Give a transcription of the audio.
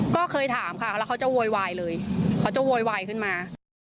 ก็เคยถามค่ะแล้วเขาจะโวยวายเลยเขาจะโวยวายขึ้นมา